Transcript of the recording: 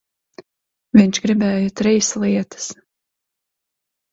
Viņš gribēja trīs lietas.